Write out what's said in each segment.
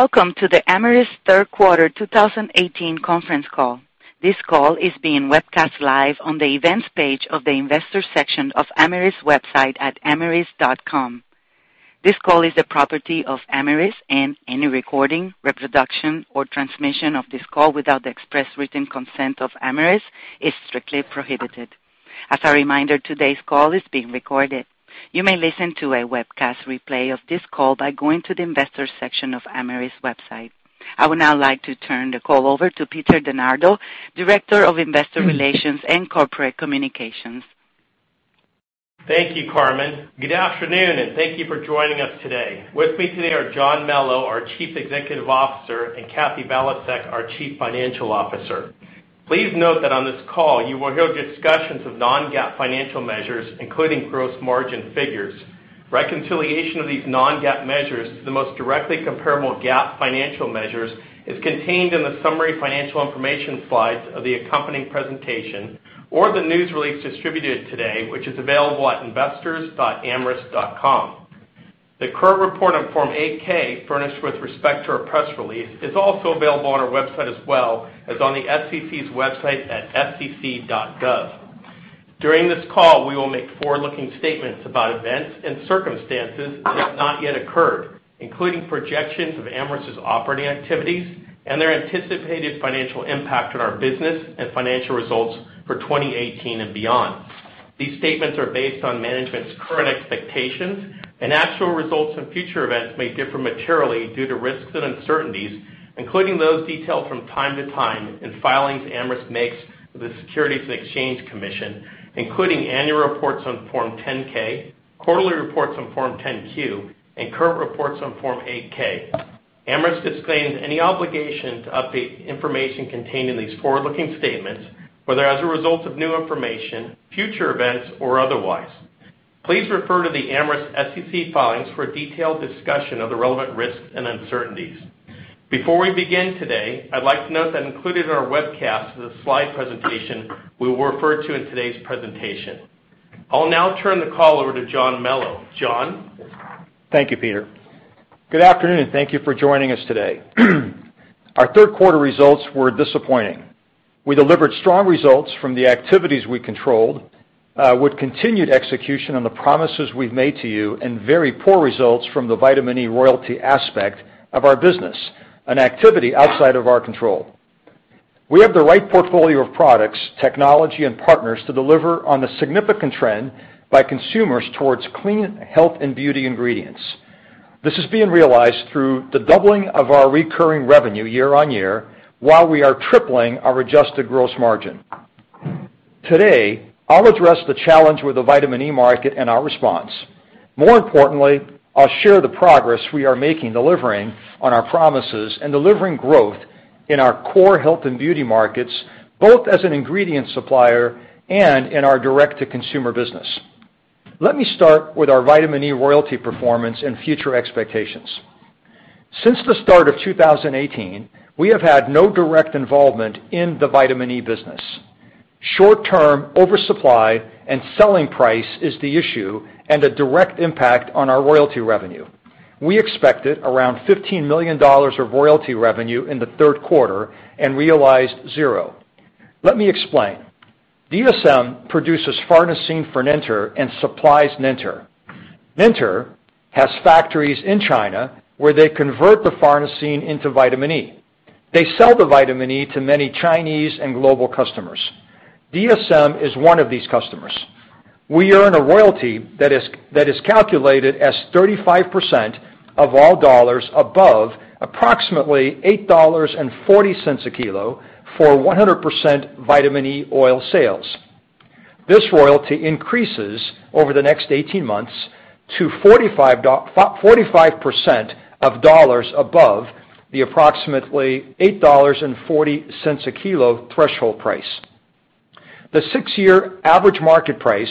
Welcome to the Amyris Q3 2018 conference call. This call is being webcast live on the events page of the investor section of Amyris' website at amyris.com. This call is the property of Amyris, and any recording, reproduction, or transmission of this call without the express written consent of Amyris is strictly prohibited. As a reminder, today's call is being recorded. You may listen to a webcast replay of this call by going to the investor section of Amyris' website. I would now like to turn the call over to Peter DeNardo, Director of Investor Relations and Corporate Communications. Thank you, Carmen. Good afternoon, and thank you for joining us today. With me today are John Melo, our Chief Executive Officer, and Kathy Valiasek, our Chief Financial Officer. Please note that on this call, you will hear discussions of non-GAAP financial measures, including gross margin figures. Reconciliation of these non-GAAP measures to the most directly comparable GAAP financial measures is contained in the summary financial information slides of the accompanying presentation or the news release distributed today, which is available at investors.amyris.com. The current report on Form 8-K, furnished with respect to our press release, is also available on our website as well as on the SEC's website at sec.gov. During this call, we will make forward-looking statements about events and circumstances that have not yet occurred, including projections of Amyris' operating activities and their anticipated financial impact on our business and financial results for 2018 and beyond. These statements are based on management's current expectations, and actual results and future events may differ materially due to risks and uncertainties, including those detailed from time to time in filings Amyris makes with the Securities and Exchange Commission, including annual reports on Form 10-K, quarterly reports on Form 10-Q, and current reports on Form 8-K. Amyris disclaims any obligation to update information contained in these forward-looking statements, whether as a result of new information, future events, or otherwise. Please refer to the Amyris SEC filings for a detailed discussion of the relevant risks and uncertainties. Before we begin today, I'd like to note that included in our webcast is a slide presentation we will refer to in today's presentation. I'll now turn the call over to John Melo. John. Thank you, Peter. Good afternoon, and thank you for joining us today. Our Q3 results were disappointing. We delivered strong results from the activities we controlled, with continued execution on the promises we've made to you, and very poor results from the vitamin E royalty aspect of our business, an activity outside of our control. We have the right portfolio of products, technology, and partners to deliver on the significant trend by consumers towards clean health and beauty ingredients. This is being realized through the doubling of our recurring revenue year on year, while we are tripling our adjusted gross margin. Today, I'll address the challenge with the vitamin E market and our response. More importantly, I'll share the progress we are making delivering on our promises and delivering growth in our core health and beauty markets, both as an ingredient supplier and in our direct-to-consumer business. Let me start with our vitamin E royalty performance and future expectations. Since the start of 2018, we have had no direct involvement in the vitamin E business. Short-term oversupply and selling price is the issue and a direct impact on our royalty revenue. We expected around $15 million of royalty revenue in the Q3 and realized zero. Let me explain. DSM produces farnesene for Nenter and supplies Nenter. Nenter has factories in China where they convert the farnesene into vitamin E. They sell the vitamin E to many Chinese and global customers. DSM is one of these customers. We earn a royalty that is calculated as 35% of all dollars above approximately $8.40 a kilo for 100% vitamin E oil sales. This royalty increases over the next 18 months to 45% of dollars above the approximately $8.40 a kilo threshold price. The six-year average market price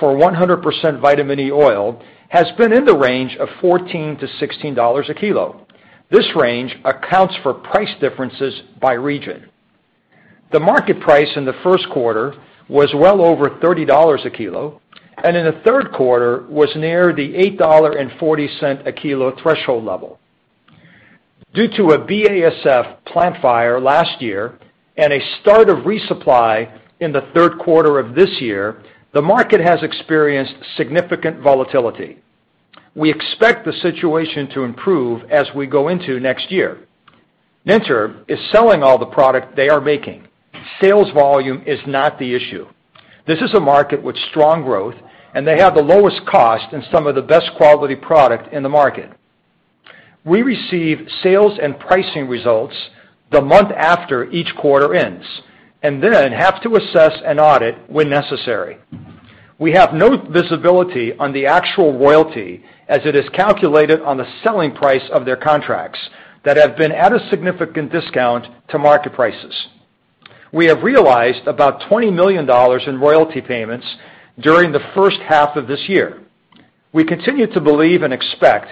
for 100% vitamin E oil has been in the range of $14 to $16 a kilo. This range accounts for price differences by region. The market price in the Q1 was well over $30 a kilo, and in the Q3 was near the $8.40 a kilo threshold level. Due to a BASF plant fire last year and a start of resupply in the Q3 of this year, the market has experienced significant volatility. We expect the situation to improve as we go into next year. Nenter is selling all the product they are making. Sales volume is not the issue. This is a market with strong growth, and they have the lowest cost and some of the best quality product in the market. We receive sales and pricing results the month after each quarter ends and then have to assess and audit when necessary. We have no visibility on the actual royalty as it is calculated on the selling price of their contracts that have been at a significant discount to market prices. We have realized about $20 million in royalty payments during the first half of this year. We continue to believe and expect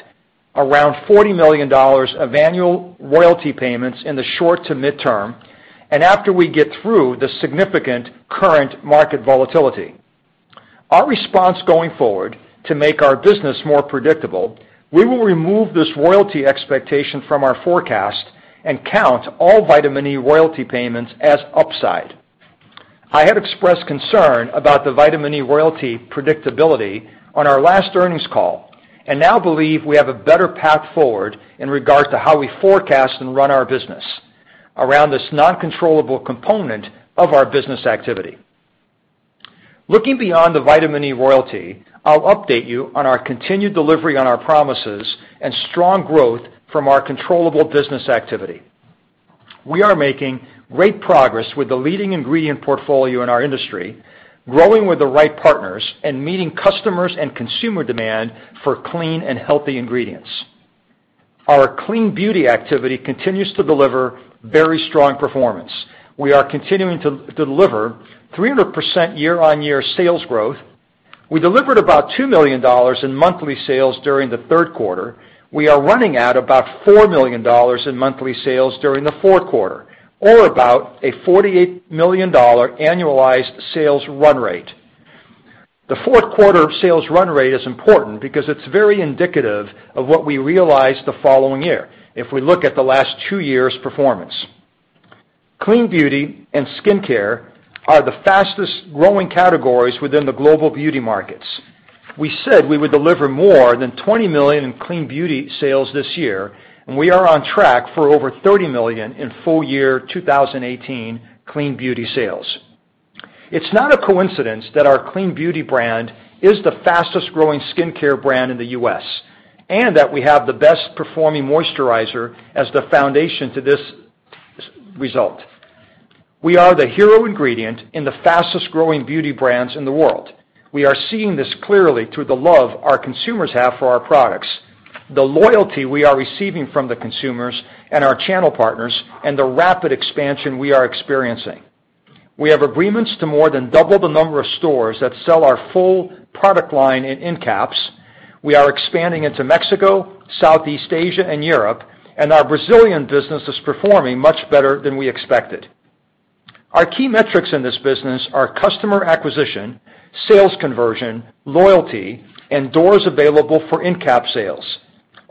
around $40 million of annual royalty payments in the short to midterm and after we get through the significant current market volatility. Our response going forward to make our business more predictable, we will remove this royalty expectation from our forecast and count all Vitamin E royalty payments as upside. I have expressed concern about the Vitamin E royalty predictability on our last earnings call and now believe we have a better path forward in regard to how we forecast and run our business around this non-controllable component of our business activity. Looking beyond the Vitamin E royalty, I'll update you on our continued delivery on our promises and strong growth from our controllable business activity. We are making great progress with the leading ingredient portfolio in our industry, growing with the right partners and meeting customers' and consumer demand for clean and healthy ingredients. Our Clean Beauty activity continues to deliver very strong performance. We are continuing to deliver 300% year-on-year sales growth. We delivered about $2 million in monthly sales during the Q3. We are running at about $4 million in monthly sales during the Q4, or about a $48 million annualized sales run rate. The Q4 sales run rate is important because it's very indicative of what we realized the following year if we look at the last two years' performance. Clean Beauty and skincare are the fastest-growing categories within the global beauty markets. We said we would deliver more than $20 million in Clean Beauty sales this year, and we are on track for over $30 million in full-year 2018 Clean Beauty sales. It's not a coincidence that our Clean Beauty brand is the fastest-growing skincare brand in the U.S. and that we have the best-performing moisturizer as the foundation to this result. We are the hero ingredient in the fastest-growing beauty brands in the world. We are seeing this clearly through the love our consumers have for our products, the loyalty we are receiving from the consumers and our channel partners, and the rapid expansion we are experiencing. We have agreements to more than double the number of stores that sell our full product line end-caps. We are expanding into Mexico, Southeast Asia, and Europe, and our Brazilian business is performing much better than we expected. Our key metrics in this business are customer acquisition, sales conversion, loyalty, and doors available for end-cap sales.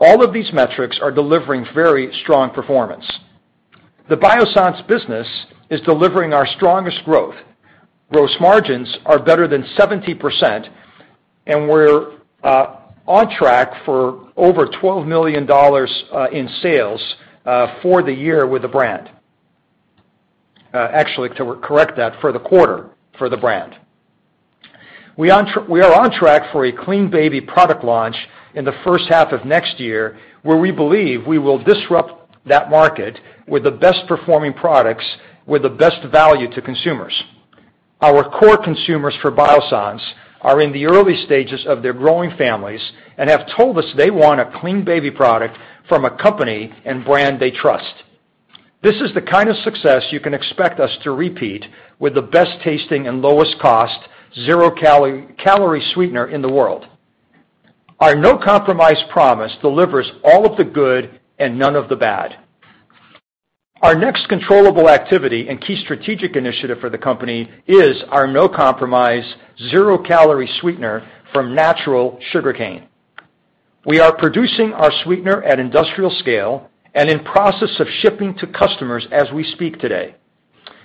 All of these metrics are delivering very strong performance. The Biossance business is delivering our strongest growth. Gross margins are better than 70%, and we're on track for over $12 million in sales for the year with the brand. Actually, to correct that, for the quarter for the brand. We are on track for a Clean Beauty product launch in the first half of next year, where we believe we will disrupt that market with the best-performing products with the best value to consumers. Our core consumers for Biossance are in the early stages of their growing families and have told us they want a clean baby product from a company and brand they trust. This is the kind of success you can expect us to repeat with the best-tasting and lowest-cost, zero-calorie sweetener in the world. Our no-compromise promise delivers all of the good and none of the bad. Our next controllable activity and key strategic initiative for the company is our no-compromise zero-calorie sweetener from natural sugarcane. We are producing our sweetener at industrial scale and in process of shipping to customers as we speak today.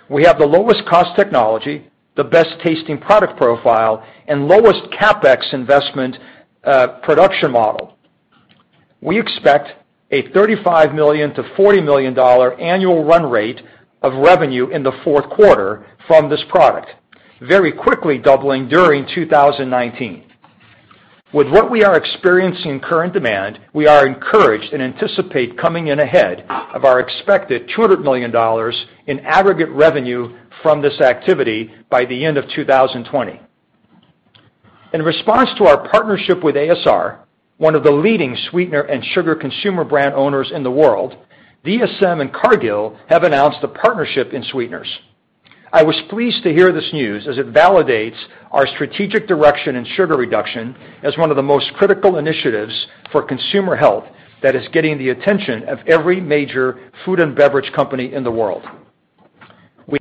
We have the lowest-cost technology, the best-tasting product profile, and lowest CapEx investment production model. We expect a $35 million to 40 million annual run rate of revenue in the Q4 from this product, very quickly doubling during 2019. With what we are experiencing in current demand, we are encouraged and anticipate coming in ahead of our expected $200 million in aggregate revenue from this activity by the end of 2020. In response to our partnership with ASR, one of the leading sweetener and sugar consumer brand owners in the world, DSM and Cargill have announced a partnership in sweeteners. I was pleased to hear this news as it validates our strategic direction in sugar reduction as one of the most critical initiatives for consumer health that is getting the attention of every major food and beverage company in the world.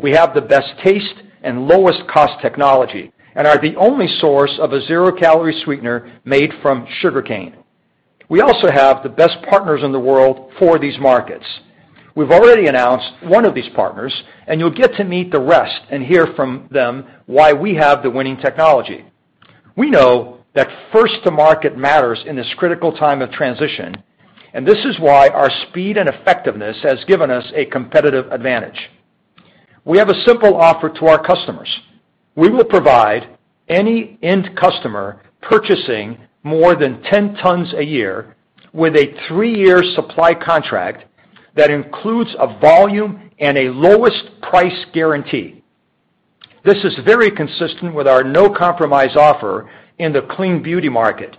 We have the best-tasting and lowest-cost technology and are the only source of a zero-calorie sweetener made from sugarcane. We also have the best partners in the world for these markets. We've already announced one of these partners, and you'll get to meet the rest and hear from them why we have the winning technology. We know that first-to-market matters in this critical time of transition, and this is why our speed and effectiveness has given us a competitive advantage. We have a simple offer to our customers. We will provide any end customer purchasing more than 10 tons a year with a three-year supply contract that includes a volume and a lowest-price guarantee. This is very consistent with our no-compromise offer in the clean beauty market: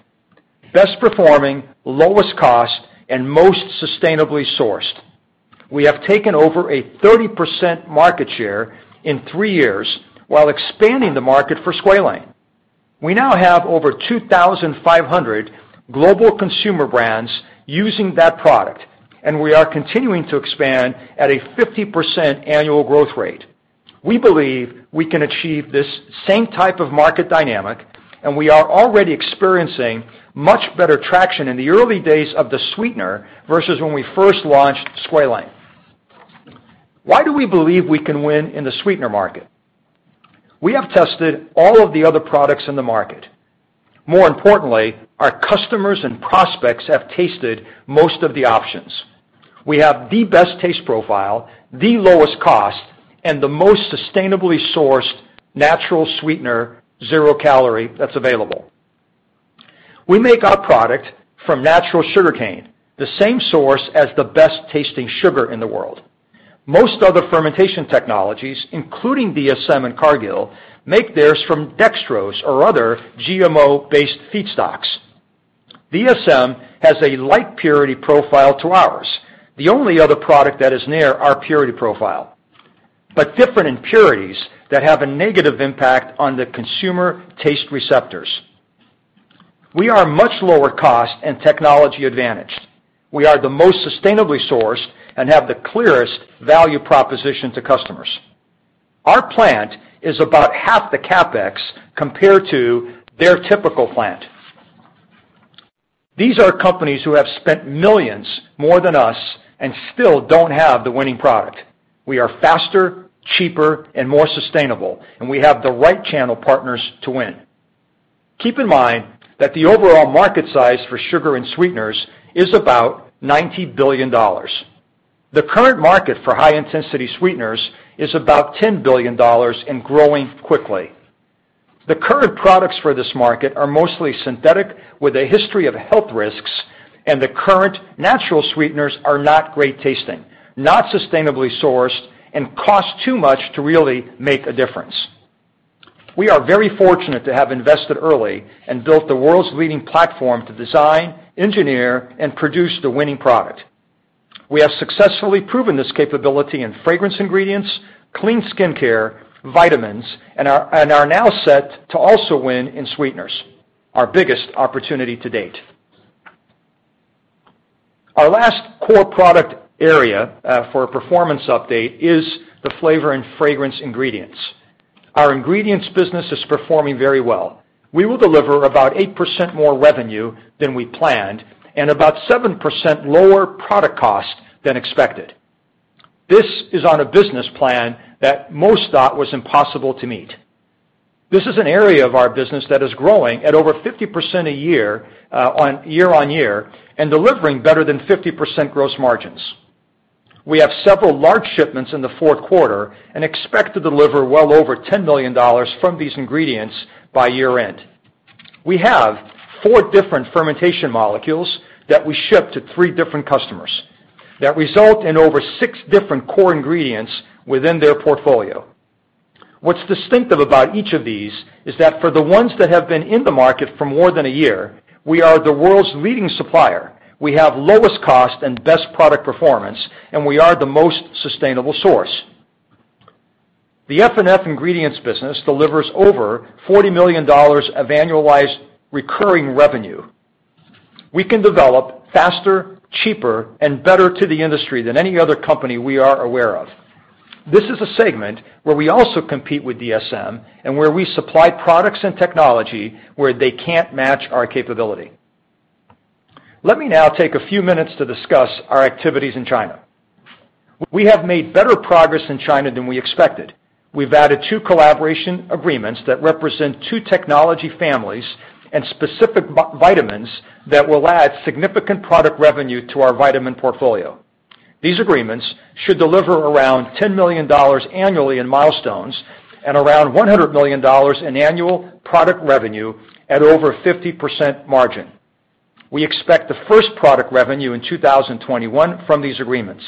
best-performing, lowest-cost, and most sustainably sourced. We have taken over a 30% market share in three years while expanding the market for squalane. We now have over 2,500 global consumer brands using that product, and we are continuing to expand at a 50% annual growth rate. We believe we can achieve this same type of market dynamic, and we are already experiencing much better traction in the early days of the sweetener versus when we first launched squalane. Why do we believe we can win in the sweetener market? We have tested all of the other products in the market. More importantly, our customers and prospects have tasted most of the options. We have the best-taste profile, the lowest cost, and the most sustainably sourced natural sweetener, zero-calorie that's available. We make our product from natural sugarcane, the same source as the best-tasting sugar in the world. Most other fermentation technologies, including DSM and Cargill, make theirs from dextrose or other GMO-based feedstocks. DSM has a light purity profile to ours, the only other product that is near our purity profile, but different in purities that have a negative impact on the consumer taste receptors. We are much lower-cost and technology-advantaged. We are the most sustainably sourced and have the clearest value proposition to customers. Our plant is about half the CapEx compared to their typical plant. These are companies who have spent millions more than us and still don't have the winning product. We are faster, cheaper, and more sustainable, and we have the right channel partners to win. Keep in mind that the overall market size for sugar and sweeteners is about $90 billion. The current market for high-intensity sweeteners is about $10 billion and growing quickly. The current products for this market are mostly synthetic with a history of health risks, and the current natural sweeteners are not great-tasting, not sustainably sourced, and cost too much to really make a difference. We are very fortunate to have invested early and built the world's leading platform to design, engineer, and produce the winning product. We have successfully proven this capability in fragrance ingredients, clean skincare, vitamins, and are now set to also win in sweeteners, our biggest opportunity to date. Our last core product area for a performance update is the flavor and fragrance ingredients. Our ingredients business is performing very well. We will deliver about 8% more revenue than we planned and about 7% lower product cost than expected. This is on a business plan that most thought was impossible to meet. This is an area of our business that is growing at over 50% a year on year and delivering better than 50% gross margins. We have several large shipments in the Q4 and expect to deliver well over $10 million from these ingredients by year-end. We have four different fermentation molecules that we ship to three different customers that result in over six different core ingredients within their portfolio. What's distinctive about each of these is that for the ones that have been in the market for more than a year, we are the world's leading supplier. We have lowest cost and best product performance, and we are the most sustainable source. The F&F ingredients business delivers over $40 million of annualized recurring revenue. We can develop faster, cheaper, and better to the industry than any other company we are aware of. This is a segment where we also compete with DSM and where we supply products and technology where they can't match our capability. Let me now take a few minutes to discuss our activities in China. We have made better progress in China than we expected. We've added two collaboration agreements that represent two technology families and specific vitamins that will add significant product revenue to our vitamin portfolio. These agreements should deliver around $10 million annually in milestones and around $100 million in annual product revenue at over 50% margin. We expect the first product revenue in 2021 from these agreements.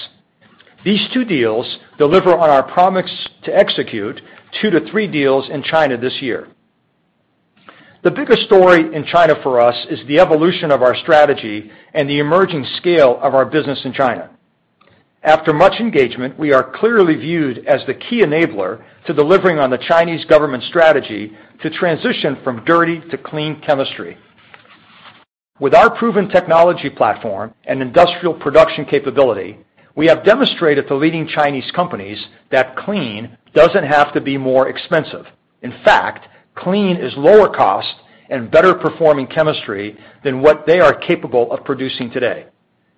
These two deals deliver on our promise to execute two to three deals in China this year. The bigger story in China for us is the evolution of our strategy and the emerging scale of our business in China. After much engagement, we are clearly viewed as the key enabler to delivering on the Chinese government's strategy to transition from dirty to clean chemistry. With our proven technology platform and industrial production capability, we have demonstrated to leading Chinese companies that clean doesn't have to be more expensive. In fact, clean is lower-cost and better-performing chemistry than what they are capable of producing today.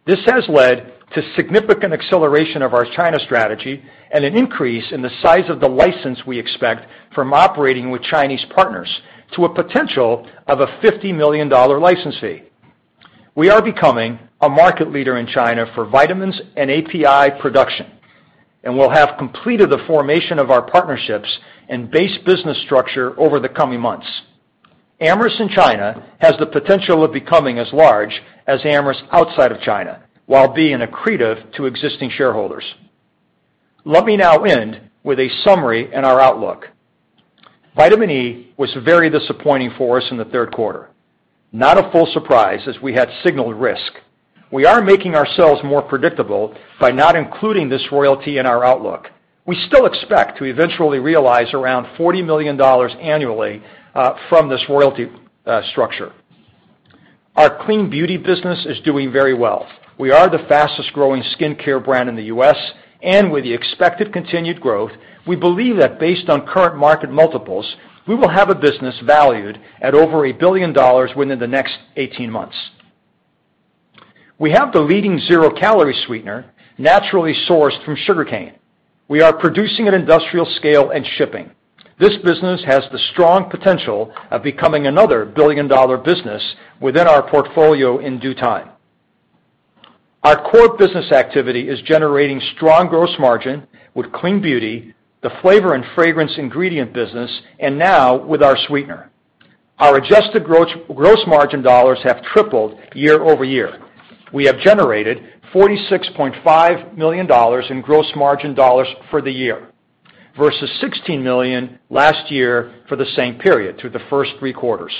This has led to significant acceleration of our China strategy and an increase in the size of the license we expect from operating with Chinese partners to a potential of a $50 million license fee. We are becoming a market leader in China for vitamins and API production, and we'll have completed the formation of our partnerships and base business structure over the coming months. Amyris in China has the potential of becoming as large as Amyris outside of China while being accretive to existing shareholders. Let me now end with a summary and our outlook. Vitamin E was very disappointing for us in the Q3, not a full surprise as we had signaled risk. We are making ourselves more predictable by not including this royalty in our outlook. We still expect to eventually realize around $40 million annually from this royalty structure. Our clean beauty business is doing very well. We are the fastest-growing skincare brand in the U.S., and with the expected continued growth, we believe that based on current market multiples, we will have a business valued at over $1 billion within the next 18 months. We have the leading zero-calorie sweetener, naturally sourced from sugarcane. We are producing at industrial scale and shipping. This business has the strong potential of becoming another billion-dollar business within our portfolio in due time. Our core business activity is generating strong gross margin with clean beauty, the flavor and fragrance ingredient business, and now with our sweetener. Our adjusted gross margin dollars have tripled year over year. We have generated $46.5 million in gross margin dollars for the year versus $16 million last year for the same period through the first three quarters.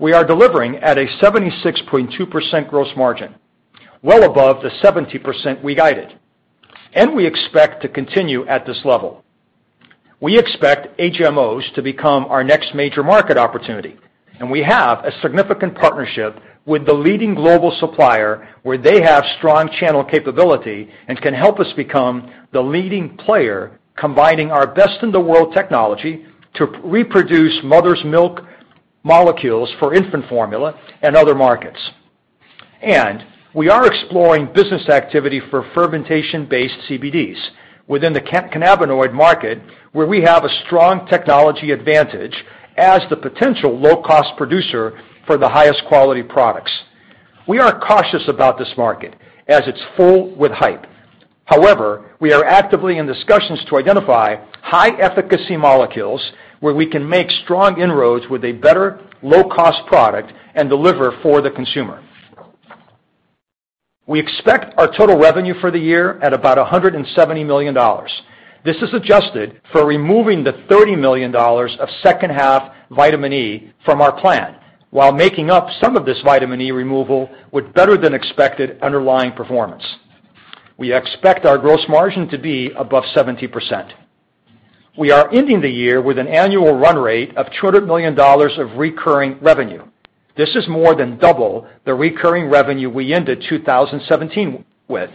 We are delivering at a 76.2% gross margin, well above the 70% we guided, and we expect to continue at this level. We expect HMOs to become our next major market opportunity, and we have a significant partnership with the leading global supplier where they have strong channel capability and can help us become the leading player combining our best-in-the-world technology to reproduce mother's milk molecules for infant formula and other markets, and we are exploring business activity for fermentation-based CBDs within the cannabinoid market where we have a strong technology advantage as the potential low-cost producer for the highest quality products. We are cautious about this market as it's full with hype. However, we are actively in discussions to identify high-efficacy molecules where we can make strong inroads with a better low-cost product and deliver for the consumer. We expect our total revenue for the year at about $170 million. This is adjusted for removing the $30 million of second-half vitamin E from our plan while making up some of this vitamin E removal with better-than-expected underlying performance. We expect our gross margin to be above 70%. We are ending the year with an annual run rate of $200 million of recurring revenue. This is more than double the recurring revenue we ended 2017 with.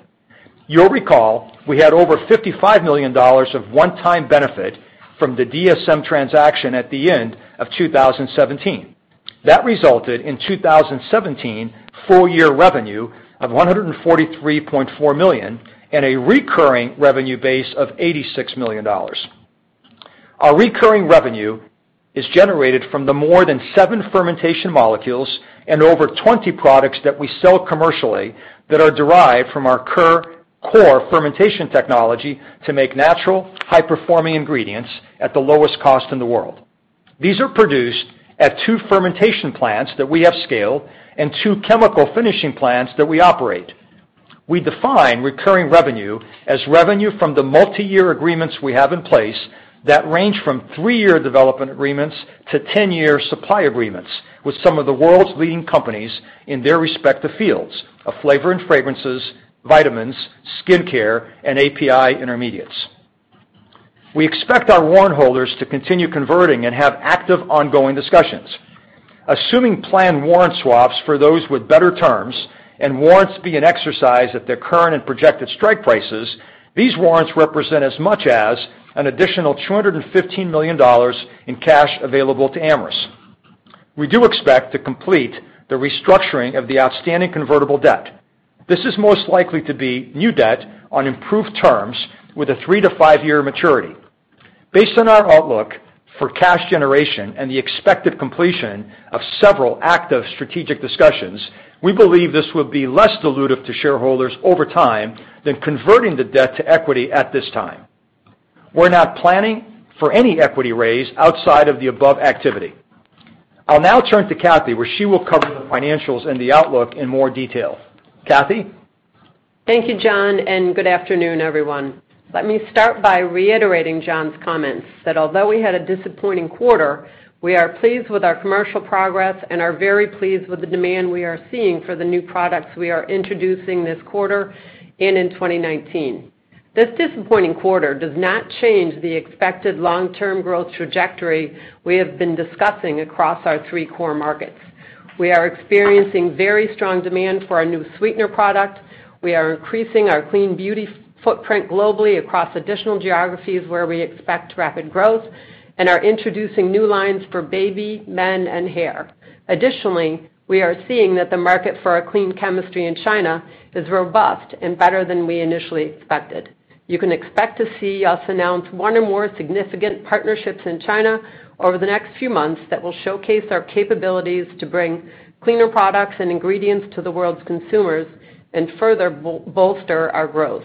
You'll recall we had over $55 million of one-time benefit from the DSM transaction at the end of 2017. That resulted in 2017 full-year revenue of $143.4 million and a recurring revenue base of $86 million. Our recurring revenue is generated from the more than seven fermentation molecules and over 20 products that we sell commercially that are derived from our core fermentation technology to make natural, high-performing ingredients at the lowest cost in the world. These are produced at two fermentation plants that we have scaled and two chemical finishing plants that we operate. We define recurring revenue as revenue from the multi-year agreements we have in place that range from three-year development agreements to 10-year supply agreements with some of the world's leading companies in their respective fields of flavor and fragrances, vitamins, skincare, and API intermediates. We expect our warrant holders to continue converting and have active ongoing discussions. Assuming planned warrant swaps for those with better terms and warrants being exercised at their current and projected strike prices, these warrants represent as much as an additional $215 million in cash available to Amyris. We do expect to complete the restructuring of the outstanding convertible debt. This is most likely to be new debt on improved terms with a three to five-year maturity. Based on our outlook for cash generation and the expected completion of several active strategic discussions, we believe this will be less dilutive to shareholders over time than converting the debt to equity at this time. We're not planning for any equity raise outside of the above activity. I'll now turn to Kathy, where she will cover the financials and the outlook in more detail. Kathy? Thank you, John, and good afternoon, everyone. Let me start by reiterating John's comments that although we had a disappointing quarter, we are pleased with our commercial progress and are very pleased with the demand we are seeing for the new products we are introducing this quarter and in 2019. This disappointing quarter does not change the expected long-term growth trajectory we have been discussing across our three core markets. We are experiencing very strong demand for our new sweetener product. We are increasing our clean beauty footprint globally across additional geographies where we expect rapid growth and are introducing new lines for baby, men, and hair. Additionally, we are seeing that the market for our clean chemistry in China is robust and better than we initially expected. You can expect to see us announce one or more significant partnerships in China over the next few months that will showcase our capabilities to bring cleaner products and ingredients to the world's consumers and further bolster our growth.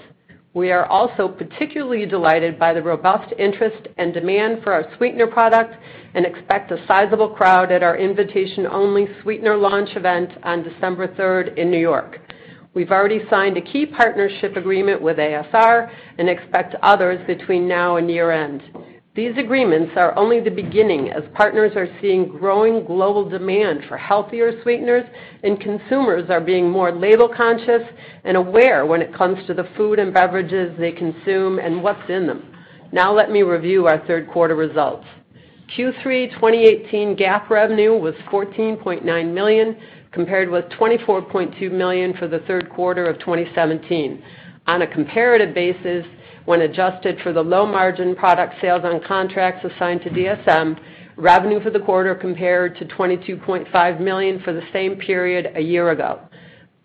We are also particularly delighted by the robust interest and demand for our sweetener product and expect a sizable crowd at our invitation-only sweetener launch event on December 3rd in New York. We've already signed a key partnership agreement with ASR and expect others between now and year-end. These agreements are only the beginning as partners are seeing growing global demand for healthier sweeteners and consumers are being more label-conscious and aware when it comes to the food and beverages they consume and what's in them. Now let me review our Q3 results. Q3 2018 GAAP revenue was $14.9 million compared with $24.2 million for the Q3 of 2017. On a comparative basis, when adjusted for the low-margin product sales on contracts assigned to DSM, revenue for the quarter compared to $22.5 million for the same period a year ago.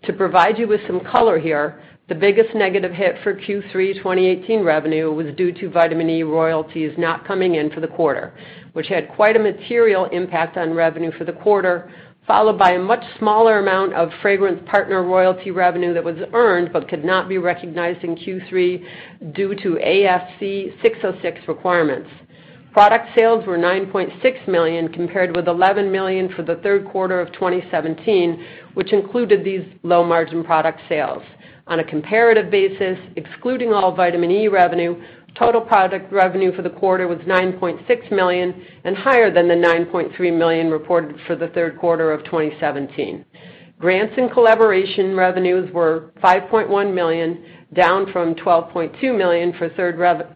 To provide you with some color here, the biggest negative hit for Q3 2018 revenue was due to vitamin E royalties not coming in for the quarter, which had quite a material impact on revenue for the quarter, followed by a much smaller amount of fragrance partner royalty revenue that was earned but could not be recognized in Q3 due to ASC 606 requirements. Product sales were $9.6 million compared with $11 million for the Q3 of 2017, which included these low-margin product sales. On a comparative basis, excluding all vitamin E revenue, total product revenue for the quarter was $9.6 million and higher than the $9.3 million reported for the Q3 of 2017. Grants and collaboration revenues were $5.1 million, down from $12.2 million for Q3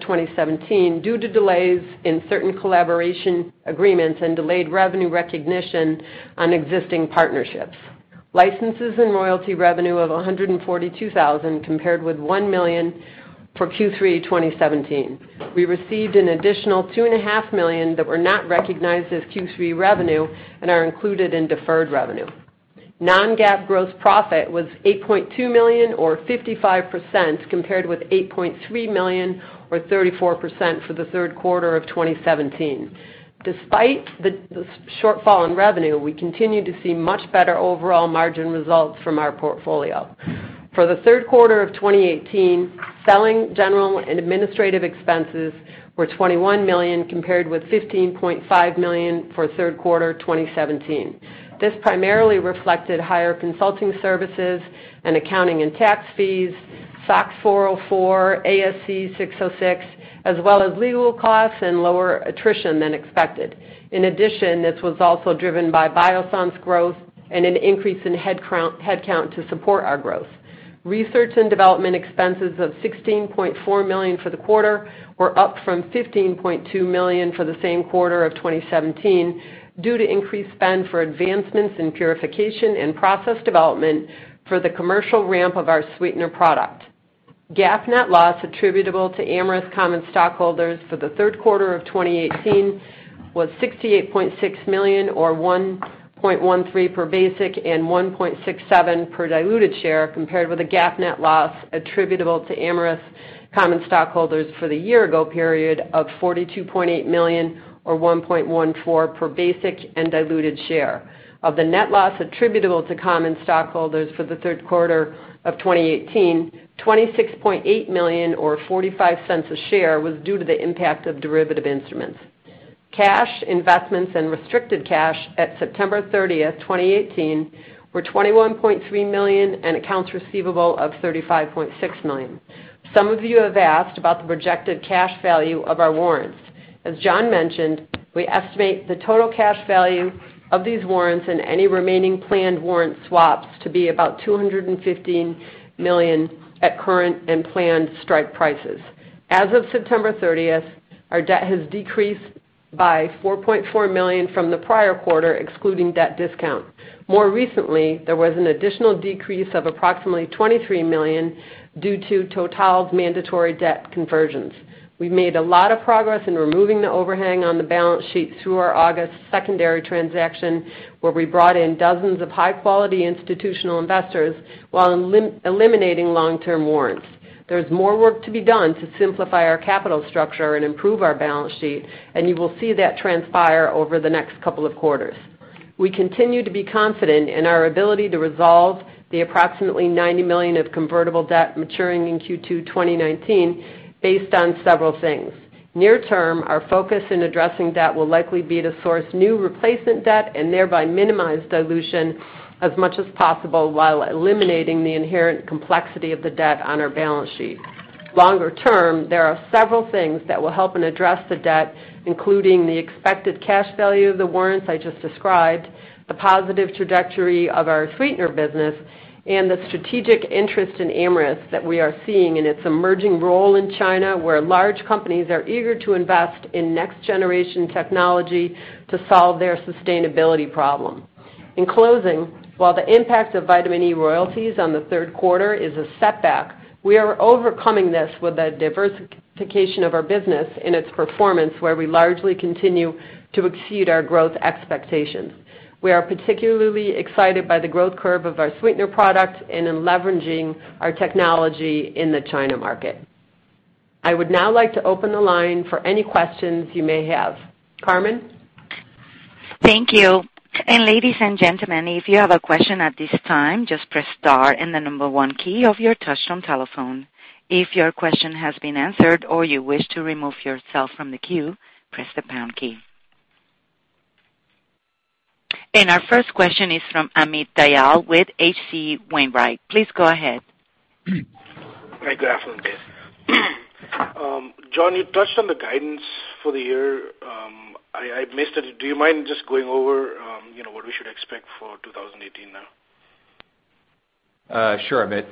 2017 due to delays in certain collaboration agreements and delayed revenue recognition on existing partnerships. Licenses and royalty revenue of $142,000 compared with $1 million for Q3 2017. We received an additional $2.5 million that were not recognized as Q3 revenue and are included in deferred revenue. Non-GAAP gross profit was $8.2 million, or 55%, compared with $8.3 million, or 34%, for the Q3 of 2017. Despite the shortfall in revenue, we continue to see much better overall margin results from our portfolio. For the Q3 of 2018, selling general and administrative expenses were $21 million compared with $15.5 million for Q3 2017. This primarily reflected higher consulting services and accounting and tax fees, SOX 404, ASC 606, as well as legal costs and lower attrition than expected. In addition, this was also driven by Biossance's growth and an increase in headcount to support our growth. Research and development expenses of $16.4 million for the quarter were up from $15.2 million for the same quarter of 2017 due to increased spend for advancements in purification and process development for the commercial ramp of our sweetener product. GAAP net loss attributable to Amyris common stockholders for the Q3 of 2018 was $68.6 million, or $1.13 per basic and $1.67 per diluted share compared with a GAAP net loss attributable to Amyris common stockholders for the year-ago period of $42.8 million, or $1.14 per basic and diluted share. Of the net loss attributable to common stockholders for the Q3 of 2018, $26.8 million, or $0.45 a share, was due to the impact of derivative instruments. Cash, investments, and restricted cash at September 30th, 2018, were $21.3 million and accounts receivable of $35.6 million. Some of you have asked about the projected cash value of our warrants. As John mentioned, we estimate the total cash value of these warrants and any remaining planned warrant swaps to be about $215 million at current and planned strike prices. As of September 30th, our debt has decreased by $4.4 million from the prior quarter, excluding debt discount. More recently, there was an additional decrease of approximately $23 million due to Total's mandatory debt conversions. We've made a lot of progress in removing the overhang on the balance sheet through our August secondary transaction where we brought in dozens of high-quality institutional investors while eliminating long-term warrants. There is more work to be done to simplify our capital structure and improve our balance sheet, and you will see that transpire over the next couple of quarters. We continue to be confident in our ability to resolve the approximately $90 million of convertible debt maturing in Q2 2019 based on several things. Near term, our focus in addressing debt will likely be to source new replacement debt and thereby minimize dilution as much as possible while eliminating the inherent complexity of the debt on our balance sheet. Longer term, there are several things that will help in addressing the debt, including the expected cash value of the warrants I just described, the positive trajectory of our sweetener business, and the strategic interest in Amyris that we are seeing in its emerging role in China where large companies are eager to invest in next-generation technology to solve their sustainability problem. In closing, while the impact of Vitamin E royalties on the Q3 is a setback, we are overcoming this with the diversification of our business and its performance where we largely continue to exceed our growth expectations. We are particularly excited by the growth curve of our sweetener product and in leveraging our technology in the China market. I would now like to open the line for any questions you may have. Carmen? Thank you. Ladies and gentlemen, if you have a question at this time, just press star and the number one key of your touch-tone telephone. If your question has been answered or you wish to remove yourself from the queue, press the pound key. Our first question is from Amit Dayal with H.C. Wainwright. Please go ahead. Hey, good afternoon, guys. John, you touched on the guidance for the year. I missed it. Do you mind just going over what we should expect for 2018 now? Sure, Amit.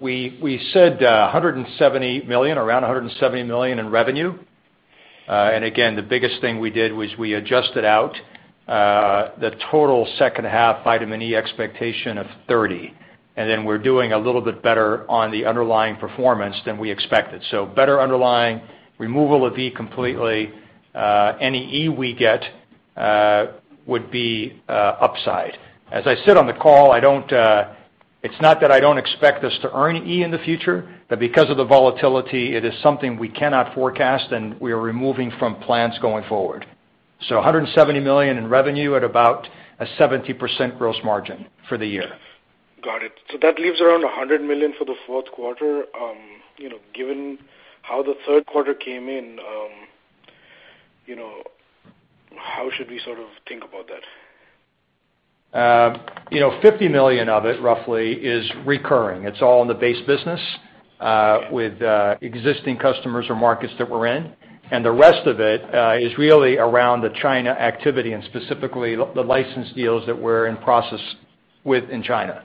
We said $170 million, around $170 million in revenue. Again, the biggest thing we did was we adjusted out the total second-half vitamin E expectation of $30. Then we're doing a little bit better on the underlying performance than we expected. So better underlying, removal of E completely, any E we get would be upside. As I sit on the call, it's not that I don't expect us to earn E in the future, but because of the volatility, it is something we cannot forecast and we are removing from plans going forward. So $170 million in revenue at about a 70% gross margin for the year. Got it. So that leaves around $100 million for the Q4. Given how the Q3 came in, how should we sort of think about that? $50 million of it, roughly, is recurring. It's all in the base business with existing customers or markets that we're in. And the rest of it is really around the China activity and specifically the license deals that we're in process with in China.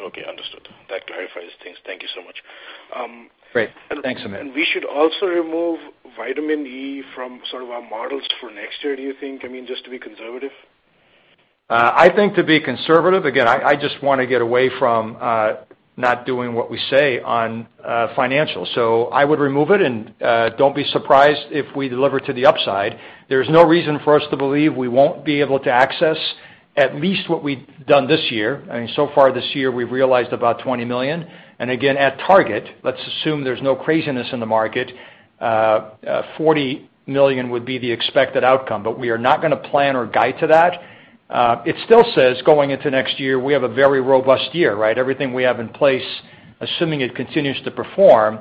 Okay, understood. That clarifies things. Thank you so much. Great. Thanks, Amit. We should also remove Vitamin E from sort of our models for next year, do you think? I mean, just to be conservative. I think to be conservative. Again, I just want to get away from not doing what we say on financials. So I would remove it and don't be surprised if we deliver to the upside. There is no reason for us to believe we won't be able to access at least what we've done this year. I mean, so far this year, we've realized about $20 million. And again, at target, let's assume there's no craziness in the market, $40 million would be the expected outcome. But we are not going to plan or guide to that. It still says going into next year, we have a very robust year, right? Everything we have in place, assuming it continues to perform,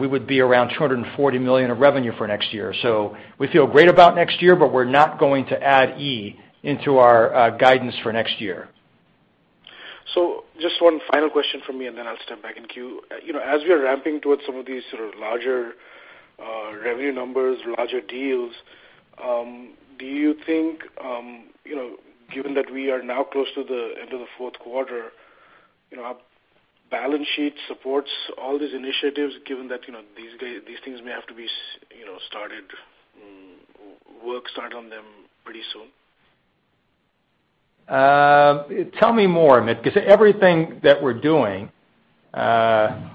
we would be around $240 million of revenue for next year. So we feel great about next year, but we're not going to add E into our guidance for next year. So just one final question from me, and then I'll step back in queue. As we are ramping towards some of these sort of larger revenue numbers, larger deals, do you think, given that we are now close to the end of the Q4, balance sheet supports all these initiatives, given that these things may have to be started, work started on them pretty soon? Tell me more, Amit, because everything that we're doing on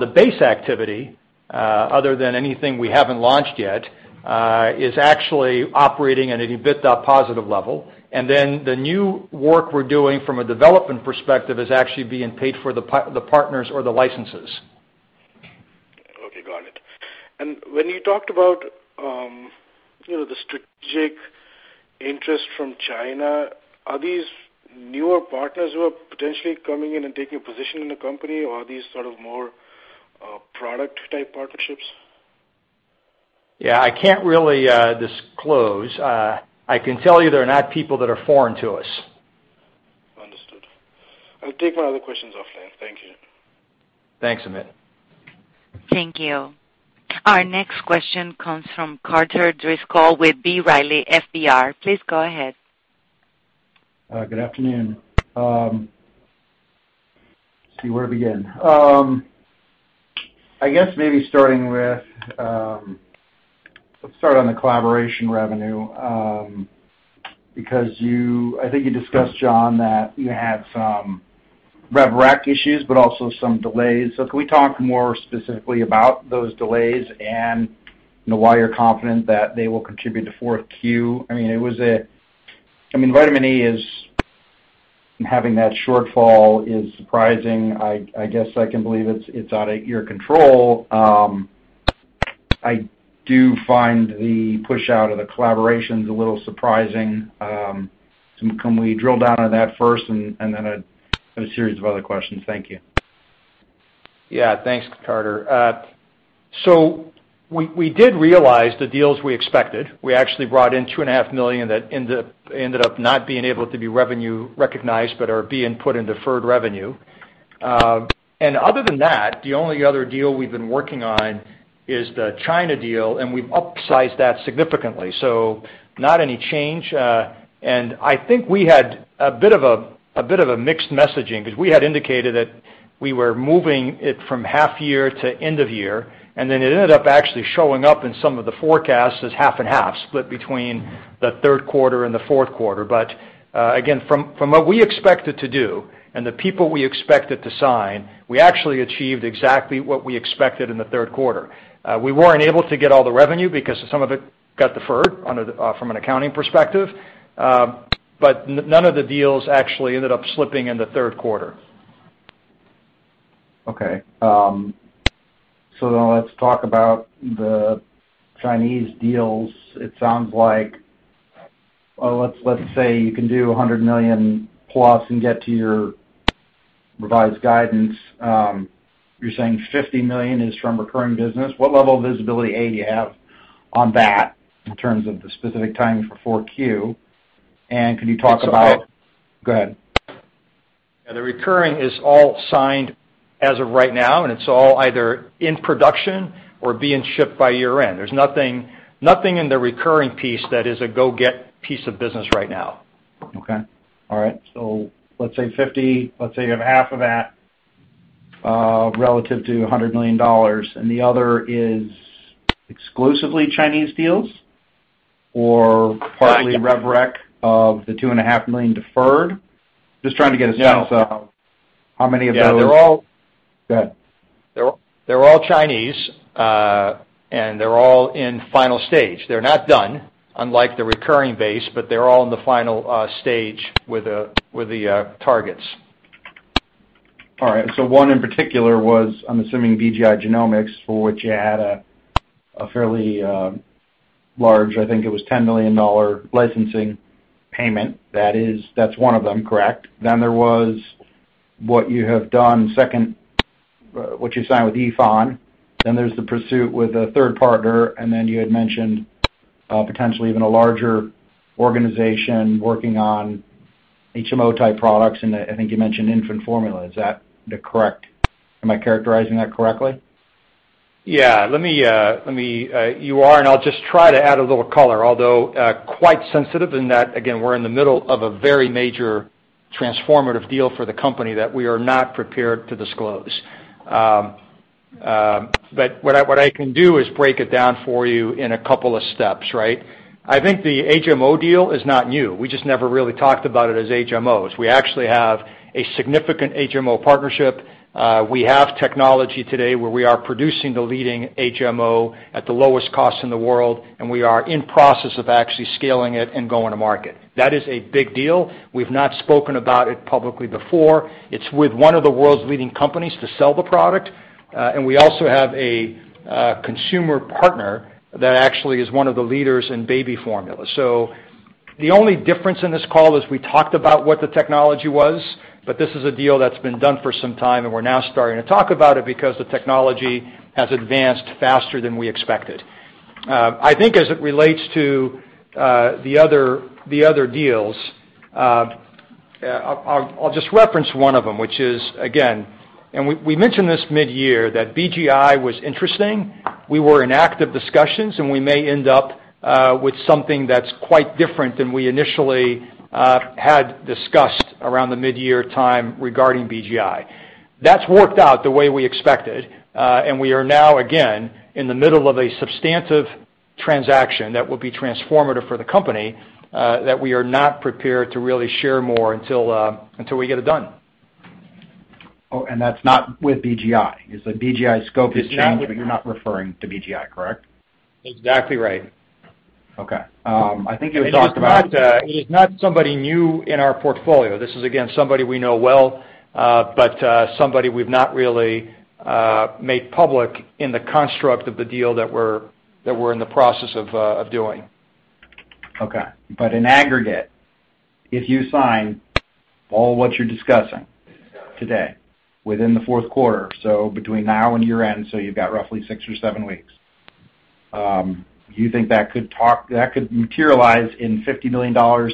the base activity, other than anything we haven't launched yet, is actually operating at a bit positive level. And then the new work we're doing from a development perspective is actually being paid for the partners or the licenses. Okay, got it. And when you talked about the strategic interest from China, are these newer partners who are potentially coming in and taking a position in the company, or are these sort of more product-type partnerships? Yeah, I can't really disclose. I can tell you they're not people that are foreign to us. Understood. I'll take my other questions offline. Thank you. Thanks, Amit. Thank you. Our next question comes from Carter Driscoll with B. Riley FBR. Please go ahead. Good afternoon. So where to begin. I guess maybe starting with, let's start on the collaboration revenue because I think you discussed, John, that you had some rev rec issues but also some delays. So can we talk more specifically about those delays and why you're confident that they will contribute to Q4? I mean, it was. I mean, vitamin E, and having that shortfall is surprising. I guess I can believe it's out of your control. I do find the push out of the collaborations a little surprising. Can we drill down on that first and then a series of other questions? Thank you. Yeah, thanks, Carter. So we did realize the deals we expected. We actually brought in $2.5 million that ended up not being able to be revenue recognized but are being put in deferred revenue. And other than that, the only other deal we've been working on is the China deal, and we've upsized that significantly. So not any change. And I think we had a bit of a mixed messaging because we had indicated that we were moving it from half year to end of year. And then it ended up actually showing up in some of the forecasts as half and half, split between the Q3 and the Q4. But again, from what we expected to do and the people we expected to sign, we actually achieved exactly what we expected in the Q3. We weren't able to get all the revenue because some of it got deferred from an accounting perspective. But none of the deals actually ended up slipping in the Q3. Okay. So now let's talk about the Chinese deals. It sounds like, well, let's say you can do $100 million plus and get to your revised guidance. You're saying $50 million is from recurring business. What level of visibility do you have on that in terms of the specific timing for Q4? And can you talk about. That's correct. Go ahead. Yeah, the recurring is all signed as of right now, and it's all either in production or being shipped by year-end. There's nothing in the recurring piece that is a go-get piece of business right now. Okay. All right. So let's say $50 million, let's say you have half of that relative to $100 million, and the other is exclusively Chinese deals or partly revenue recognition of the $2.5 million deferred? Just trying to get a sense of how many of those. Yeah, they're all. Go ahead. They're all Chinese, and they're all in final stage. They're not done, unlike the recurring base, but they're all in the final stage with the targets. All right. So one in particular was, I'm assuming, BGI Genomics, for which you had a fairly large, I think it was $10 million licensing payment. That's one of them, correct? Then there was what you have done, second, what you signed with Yifan. Then there's the pursuit with a third partner, and then you had mentioned potentially even a larger organization working on HMO-type products, and I think you mentioned infant formula. Is that correct? Am I characterizing that correctly? Yeah. Let me—you are, and I'll just try to add a little color, although quite sensitive in that, again, we're in the middle of a very major transformative deal for the company that we are not prepared to disclose. But what I can do is break it down for you in a couple of steps, right? I think the HMO deal is not new. We just never really talked about it as HMOs. We actually have a significant HMO partnership. We have technology today where we are producing the leading HMO at the lowest cost in the world, and we are in process of actually scaling it and going to market. That is a big deal. We've not spoken about it publicly before. It's with one of the world's leading companies to sell the product, and we also have a consumer partner that actually is one of the leaders in baby formula, so the only difference in this call is we talked about what the technology was, but this is a deal that's been done for some time, and we're now starting to talk about it because the technology has advanced faster than we expected. I think as it relates to the other deals, I'll just reference one of them, which is, again, and we mentioned this mid-year that BGI was interesting. We were in active discussions, and we may end up with something that's quite different than we initially had discussed around the mid-year time regarding BGI. That's worked out the way we expected, and we are now, again, in the middle of a substantive transaction that will be transformative for the company that we are not prepared to really share more until we get it done. Oh, and that's not with BGI. You said BGI scope is changed, but you're not referring to BGI, correct? Exactly right. Okay. I think it was talked about. It is not somebody new in our portfolio. This is, again, somebody we know well, but somebody we've not really made public in the construct of the deal that we're in the process of doing. Okay. But in aggregate, if you sign all what you're discussing today within the Q4, so between now and year-end, so you've got roughly six or seven weeks, do you think that could materialize in $50 million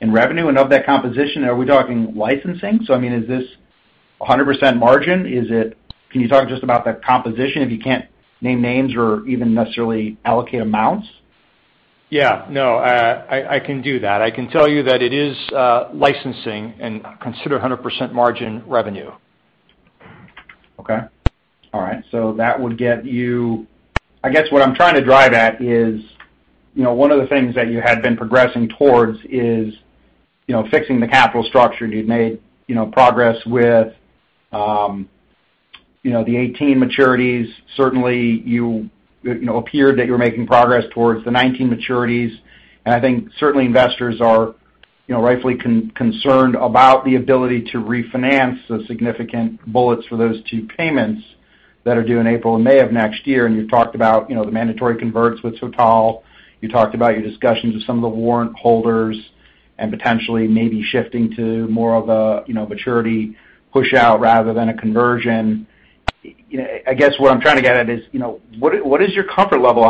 in revenue? And of that composition, are we talking licensing? So, I mean, is this 100% margin? Can you talk just about the composition if you can't name names or even necessarily allocate amounts? Yeah. No, I can do that. I can tell you that it is licensing and considered 100% margin revenue. Okay. All right. So that would get you, I guess what I'm trying to drive at is one of the things that you had been progressing towards is fixing the capital structure. You'd made progress with the 18 maturities. Certainly, you appeared that you were making progress towards the 19 maturities. And I think certainly investors are rightfully concerned about the ability to refinance the significant bullets for those two payments that are due in April and May of next year. And you've talked about the mandatory converts with Total. You talked about your discussions with some of the warrant holders and potentially maybe shifting to more of a maturity push-out rather than a conversion. I guess what I'm trying to get at is what is your comfort level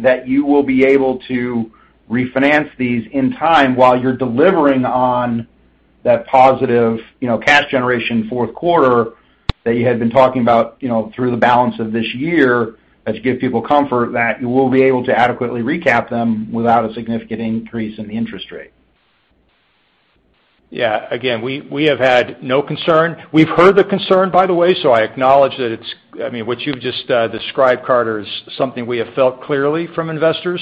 that you will be able to refinance these in time while you're delivering on that positive cash generation Q4 that you had been talking about through the balance of this year that you give people comfort that you will be able to adequately recap them without a significant increase in the interest rate? Yeah. Again, we have had no concern. We've heard the concern, by the way, so I acknowledge that it's, I mean, what you've just described, Carter, is something we have felt clearly from investors.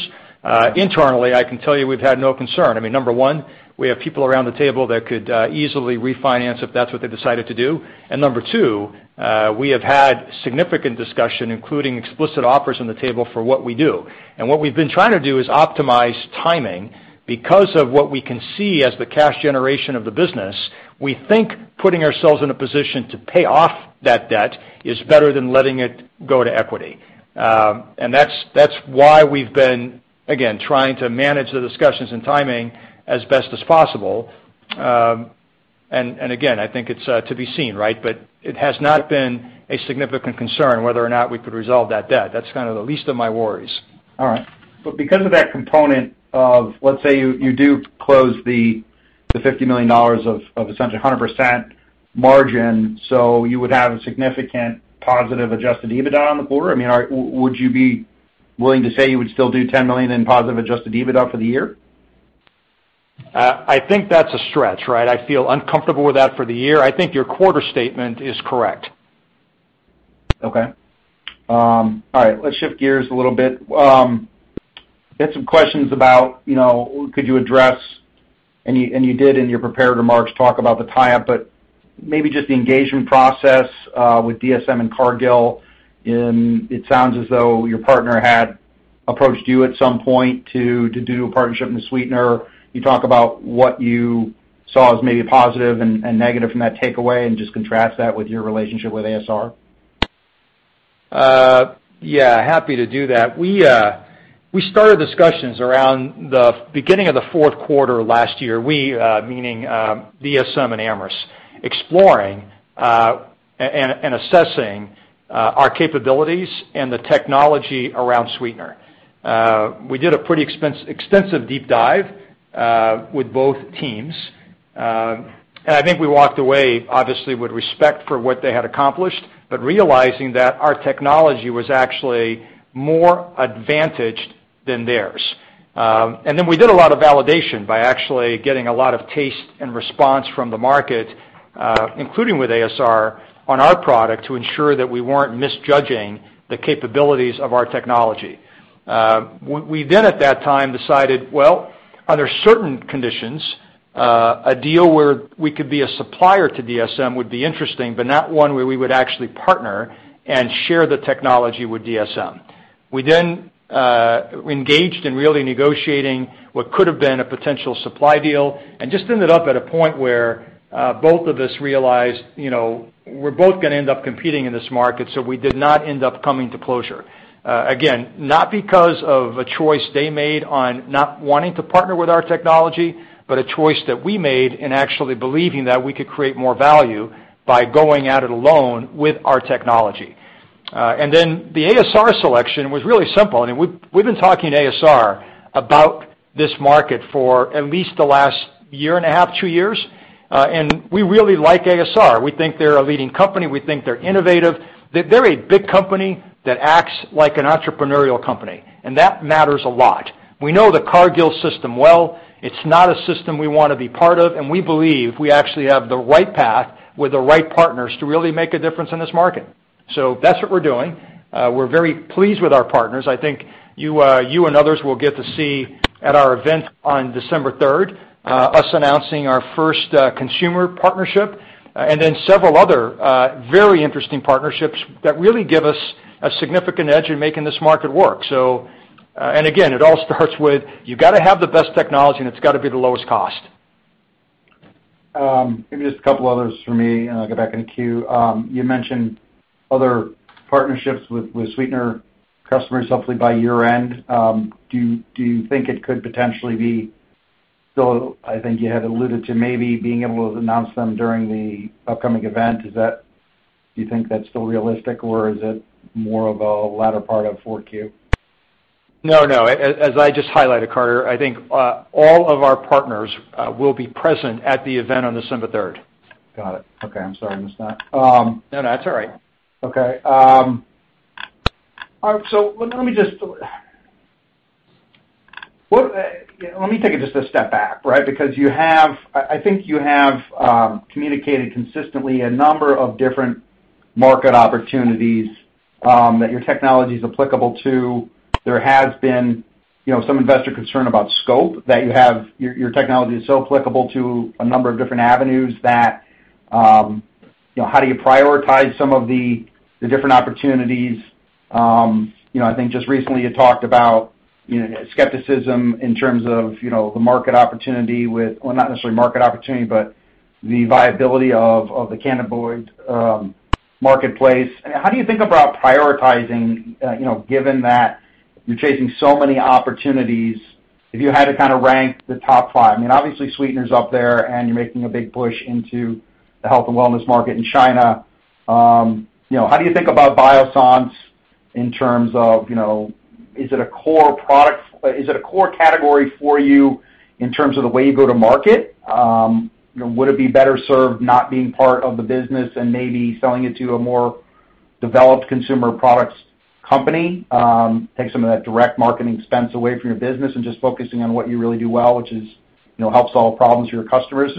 Internally, I can tell you we've had no concern. I mean, number one, we have people around the table that could easily refinance if that's what they decided to do. And number two, we have had significant discussion, including explicit offers on the table for what we do. What we've been trying to do is optimize timing because of what we can see as the cash generation of the business. We think putting ourselves in a position to pay off that debt is better than letting it go to equity. That's why we've been, again, trying to manage the discussions and timing as best as possible. Again, I think it's to be seen, right? Because of that component of, let's say you do close the $50 million of essentially 100% margin, so you would have a significant positive adjusted EBITDA on the quarter. I mean, would you be willing to say you would still do $10 million in positive adjusted EBITDA for the year? I think that's a stretch, right? I feel uncomfortable with that for the year. I think your quarter statement is correct. Okay. All right. Let's shift gears a little bit. I had some questions about could you address, and you did in your prepared remarks talk about the tie-up, but maybe just the engagement process with DSM and Cargill. It sounds as though your partner had approached you at some point to do a partnership in the sweetener. You talk about what you saw as maybe positive and negative from that takeaway and just contrast that with your relationship with ASR. Yeah. Happy to do that. We started discussions around the beginning of the Q4 last year, we, meaning DSM and Amyris, exploring and assessing our capabilities and the technology around sweetener. We did a pretty extensive deep dive with both teams. I think we walked away, obviously, with respect for what they had accomplished, but realizing that our technology was actually more advantaged than theirs. Then we did a lot of validation by actually getting a lot of taste and response from the market, including with ASR, on our product to ensure that we weren't misjudging the capabilities of our technology. We then, at that time, decided, well, under certain conditions, a deal where we could be a supplier to DSM would be interesting, but not one where we would actually partner and share the technology with DSM. We then engaged in really negotiating what could have been a potential supply deal and just ended up at a point where both of us realized we're both going to end up competing in this market, so we did not end up coming to closure. Again, not because of a choice they made on not wanting to partner with our technology, but a choice that we made in actually believing that we could create more value by going at it alone with our technology. And then the ASR selection was really simple. I mean, we've been talking to ASR about this market for at least the last year and a half, two years, and we really like ASR. We think they're a leading company. We think they're innovative. They're a big company that acts like an entrepreneurial company, and that matters a lot. We know the Cargill system well. It's not a system we want to be part of, and we believe we actually have the right path with the right partners to really make a difference in this market. So that's what we're doing. We're very pleased with our partners. I think you and others will get to see at our event on December 3rd us announcing our first consumer partnership and then several other very interesting partnerships that really give us a significant edge in making this market work. And again, it all starts with you've got to have the best technology, and it's got to be the lowest cost. Maybe just a couple others for me, and I'll get back into queue. You mentioned other partnerships with sweetener customers, hopefully by year-end. Do you think it could potentially be still? I think you had alluded to maybe being able to announce them during the upcoming event. Do you think that's still realistic, or is it more of a latter part of Q4? No, no. As I just highlighted, Carter, I think all of our partners will be present at the event on December 3rd. Got it. Okay. I'm sorry I missed that. No, no. That's all right. Okay. All right. So let me take it just a step back, right? Because I think you have communicated consistently a number of different market opportunities that your technology is applicable to. There has been some investor concern about scope that your technology is so applicable to a number of different avenues that how do you prioritize some of the different opportunities? I think just recently you talked about skepticism in terms of the market opportunity with, well, not necessarily market opportunity, but the viability of the cannabinoid marketplace. How do you think about prioritizing, given that you're chasing so many opportunities? If you had to kind of rank the top five, I mean, obviously, sweetener's up there, and you're making a big push into the health and wellness market in China. How do you think about Biossance in terms of is it a core product? Is it a core category for you in terms of the way you go to market? Would it be better served not being part of the business and maybe selling it to a more developed consumer products company? Take some of that direct marketing expense away from your business and just focusing on what you really do well, which helps solve problems for your customers.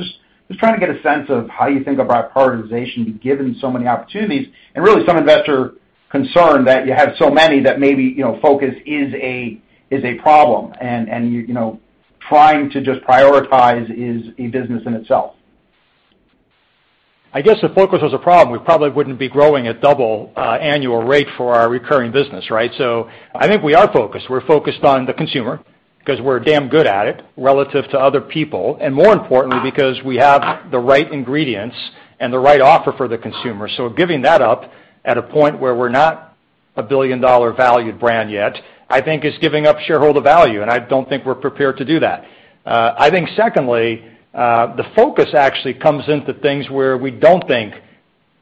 Just trying to get a sense of how you think about prioritization given so many opportunities and really some investor concern that you have so many that maybe focus is a problem and trying to just prioritize is a business in itself. I guess if focus was a problem, we probably wouldn't be growing at double annual rate for our recurring business, right? So I think we are focused. We're focused on the consumer because we're damn good at it relative to other people and, more importantly, because we have the right ingredients and the right offer for the consumer. So giving that up at a point where we're not a billion-dollar valued brand yet, I think, is giving up shareholder value, and I don't think we're prepared to do that. I think, secondly, the focus actually comes into things where we don't think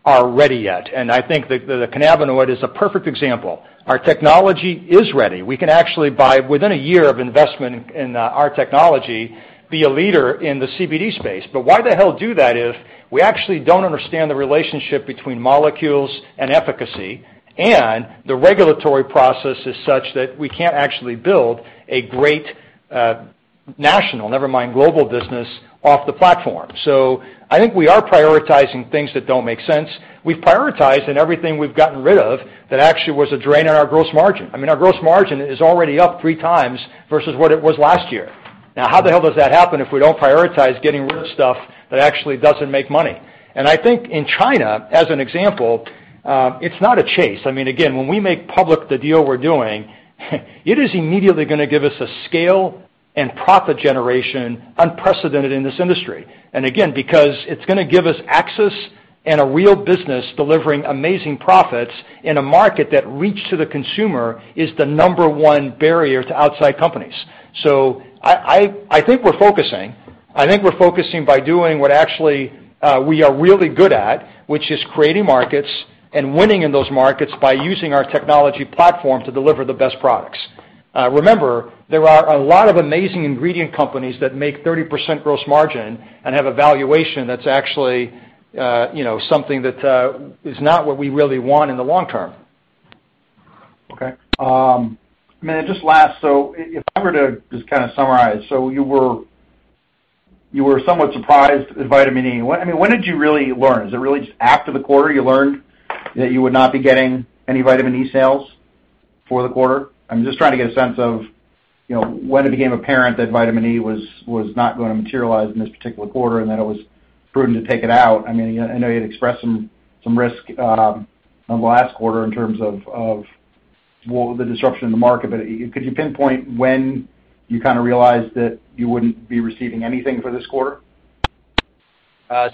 are ready yet, and I think that the cannabinoid is a perfect example. Our technology is ready. We can actually, within a year of investment in our technology, be a leader in the CBD space, but why the hell do that if we actually don't understand the relationship between molecules and efficacy, and the regulatory process is such that we can't actually build a great national, never mind global business off the platform. So I think we are prioritizing things that don't make sense. We've prioritized in everything we've gotten rid of that actually was a drain on our gross margin. I mean, our gross margin is already up three times versus what it was last year. Now, how the hell does that happen if we don't prioritize getting rid of stuff that actually doesn't make money? And I think in China, as an example, it's not a chase. I mean, again, when we make public the deal we're doing, it is immediately going to give us a scale and profit generation unprecedented in this industry. And again, because it's going to give us access and a real business delivering amazing profits in a market that reach to the consumer is the number one barrier to outside companies. So I think we're focusing. I think we're focusing by doing what actually we are really good at, which is creating markets and winning in those markets by using our technology platform to deliver the best products. Remember, there are a lot of amazing ingredient companies that make 30% gross margin and have a valuation that's actually something that is not what we really want in the long term. Okay. I mean, just last, so if I were to just kind of summarize, so you were somewhat surprised with Vitamin E. I mean, when did you really learn? Is it really just after the quarter you learned that you would not be getting any Vitamin E sales for the quarter? I'm just trying to get a sense of when it became apparent that Vitamin E was not going to materialize in this particular quarter and that it was prudent to take it out. I mean, I know you'd expressed some risk on the last quarter in terms of the disruption in the market, but could you pinpoint when you kind of realized that you wouldn't be receiving anything for this quarter?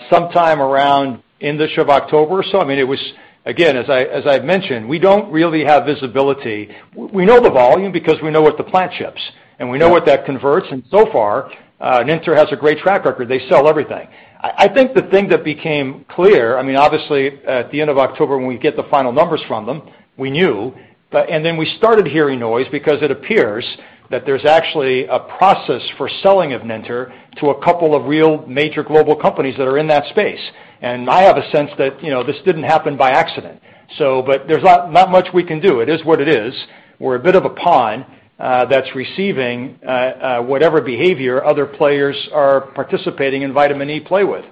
Sometime around the end of October. So I mean, it was, again, as I've mentioned, we don't really have visibility. We know the volume because we know what the plant ships, and we know what that converts, and so far, Nenter has a great track record. They sell everything. I think the thing that became clear, I mean, obviously, at the end of October, when we get the final numbers from them, we knew, and then we started hearing noise because it appears that there's actually a process for selling of Nenter to a couple of real major global companies that are in that space. I have a sense that this didn't happen by accident. But there's not much we can do. It is what it is. We're a bit of a pond that's receiving whatever behavior other players are participating in Vitamin E play with.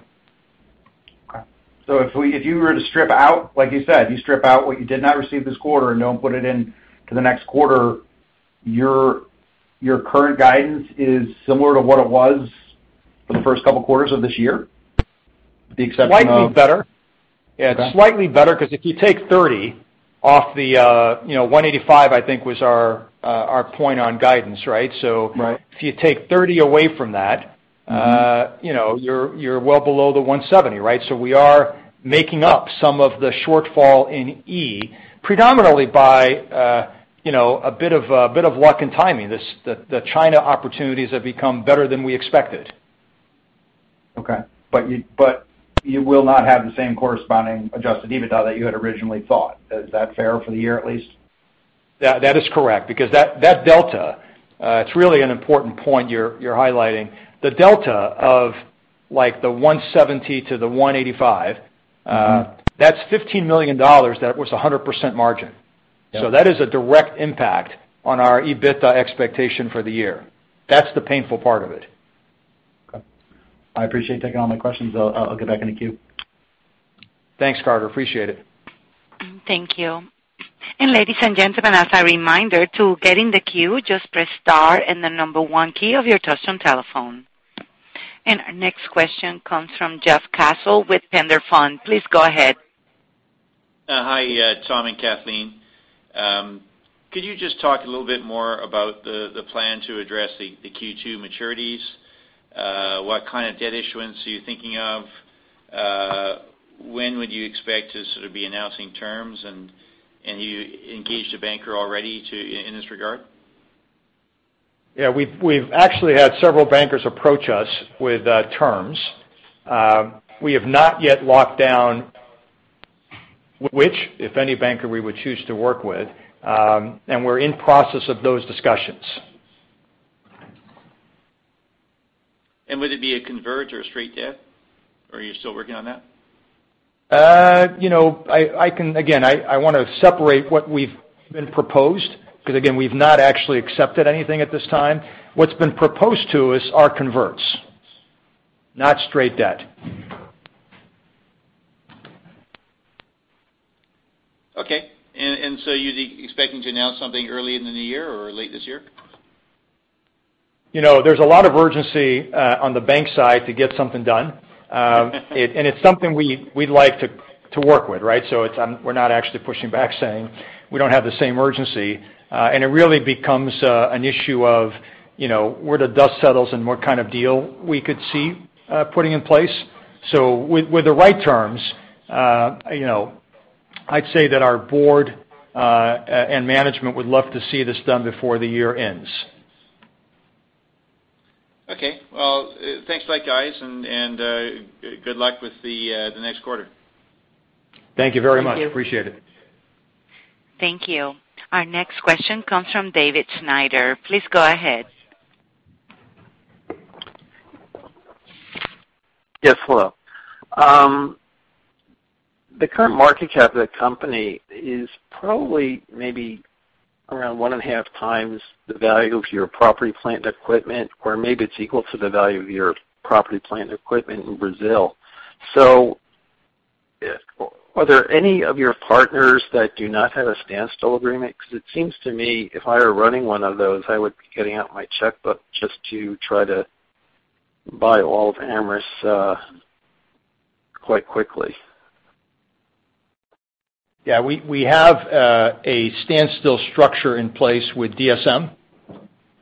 Okay. So if you were to strip out, like you said, you strip out what you did not receive this quarter and don't put it into the next quarter, your current guidance is similar to what it was for the first couple quarters of this year, with the exception of? Slightly better. Yeah. It's slightly better because if you take 30 off the 185, I think, was our point on guidance, right? So if you take 30 away from that, you're well below the 170, right? So we are making up some of the shortfall in E predominantly by a bit of luck and timing. The China opportunities have become better than we expected. Okay. But you will not have the same corresponding adjusted EBITDA that you had originally thought. Is that fair for the year, at least? That is correct because that delta, it's really an important point you're highlighting. The delta of the 170 to the 185, that's $15 million that was 100% margin. So that is a direct impact on our EBITDA expectation for the year. That's the painful part of it. Okay. I appreciate taking all my questions. I'll get back into queue. Thanks, Carter. Appreciate it. Thank you. And ladies and gentlemen, as a reminder to get in the queue, just press star and then number one key of your touch-tone telephone. And our next question comes from Geoff Castle with PenderFund. Please go ahead. Hi, John and Kathy. Could you just talk a little bit more about the plan to address the Q2 maturities? What kind of debt issuance are you thinking of? When would you expect to sort of be announcing terms? And have you engaged a banker already in this regard? Yeah. We've actually had several bankers approach us with terms. We have not yet locked down which, if any, banker we would choose to work with. And we're in process of those discussions. And would it be a convert or a straight debt? Or are you still working on that? Again, I want to separate what we've been proposed because, again, we've not actually accepted anything at this time. What's been proposed to us are converts, not straight debt. Okay. And so you're expecting to announce something early in the new year or late this year? There's a lot of urgency on the bank side to get something done. And it's something we'd like to work with, right? So we're not actually pushing back saying we don't have the same urgency. And it really becomes an issue of where the dust settles and what kind of deal we could see putting in place. So with the right terms, I'd say that our board and management would love to see this done before the year ends. Okay. Well, thanks a lot, guys, and good luck with the next quarter. Thank you very much. Appreciate it. Thank you. Our next question comes from David Snyder. Please go ahead. Yes. Hello. The current market cap of the company is probably maybe around one and a half times the value of your property plant equipment, or maybe it's equal to the value of your property plant equipment in Brazil. Are there any of your partners that do not have a standstill agreement? Because it seems to me, if I were running one of those, I would be getting out my checkbook just to try to buy all of Amyris quite quickly. Yeah. We have a standstill structure in place with DSM.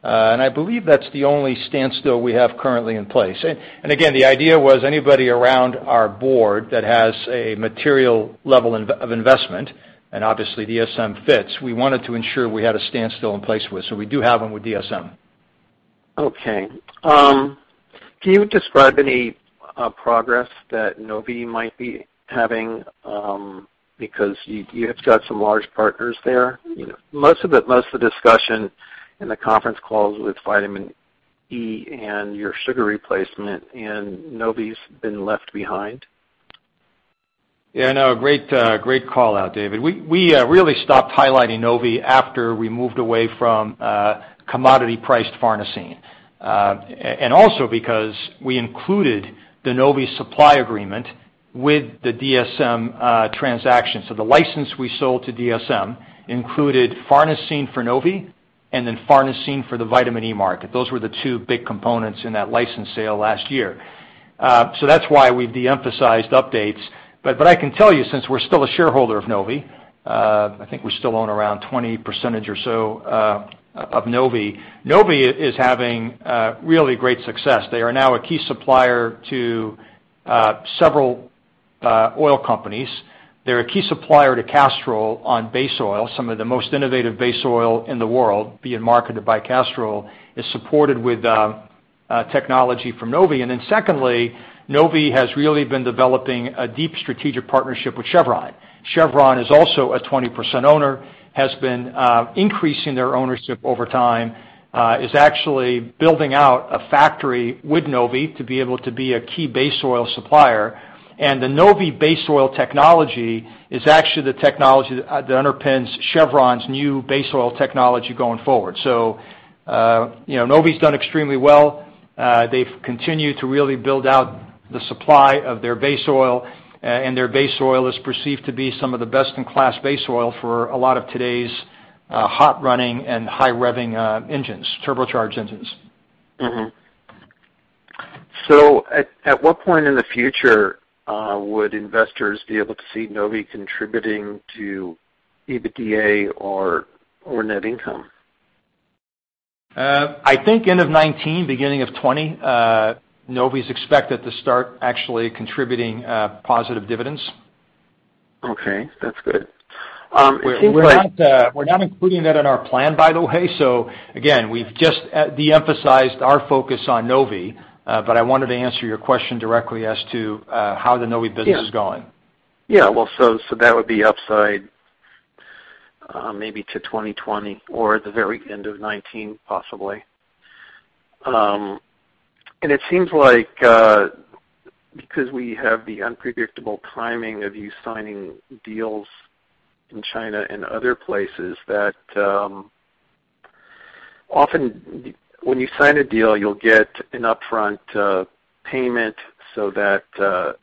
And I believe that's the only standstill we have currently in place. And again, the idea was anybody around our board that has a material level of investment, and obviously, DSM fits. We wanted to ensure we had a standstill in place with. So we do have one with DSM. Okay. Can you describe any progress that Novvi might be having because you've got some large partners there? Most of the discussion in the conference calls with vitamin E and your sugar replacement and Novvi's been left behind. Yeah. No. Great call out, David. We really stopped highlighting Novvi after we moved away from commodity-priced farnesene. And also because we included the Novvi supply agreement with the DSM transaction. So the license we sold to DSM included farnesene for Novvi and then farnesene for the vitamin E market. Those were the two big components in that license sale last year. So that's why we've de-emphasized updates. But I can tell you, since we're still a shareholder of Novvi, I think we still own around 20% or so of Novvi. Novvi is having really great success. They are now a key supplier to several oil companies. They're a key supplier to Castrol on base oil, some of the most innovative base oil in the world being marketed by Castrol, is supported with technology from Novvi. And then secondly, Novvi has really been developing a deep strategic partnership with Chevron. Chevron is also a 20% owner, has been increasing their ownership over time, is actually building out a factory with Novvi to be able to be a key base oil supplier, and the Novvi base oil technology is actually the technology that underpins Chevron's new base oil technology going forward, so Novvi's done extremely well. They've continued to really build out the supply of their base oil, and their base oil is perceived to be some of the best-in-class base oil for a lot of today's hot-running and high-revving engines, turbocharged engines. So at what point in the future would investors be able to see Novvi contributing to either EBITDA or net income? I think end of 2019, beginning of 2020, Novvi's expected to start actually contributing positive dividends. Okay. That's good. It seems like we're not including that in our plan, by the way. So again, we've just de-emphasized our focus on Novvi. But I wanted to answer your question directly as to how the Novvi business is going. Yeah. Well, so that would be upside maybe to 2020 or the very end of 2019, possibly. And it seems like because we have the unpredictable timing of you signing deals in China and other places that often when you sign a deal, you'll get an upfront payment. So that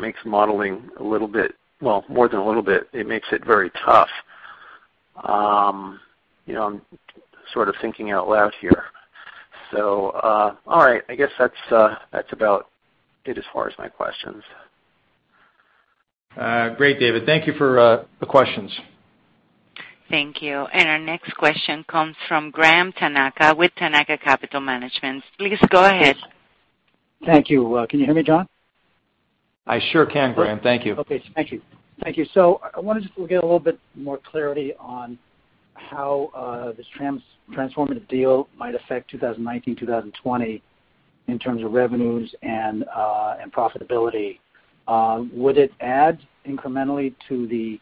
makes modeling a little bit, well, more than a little bit. It makes it very tough. I'm sort of thinking out loud here. So all right. I guess that's about it as far as my questions. Great, David. Thank you for the questions. Thank you. And our next question comes from Graham Tanaka with Tanaka Capital Management. Please go ahead. Thank you. Can you hear me, John? I sure can, Graham. Thank you. Okay. Thank you. Thank you. So I wanted just to get a little bit more clarity on how this transformative deal might affect 2019, 2020 in terms of revenues and profitability. Would it add incrementally to the